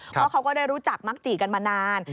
เพราะเขาก็ได้รู้จักมักจีกันมานาน